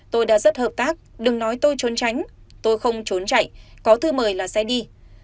tôi đã rất hợp tác đừng nói tôi trốn tránh tôi không trốn chạy có thư mời là xe đi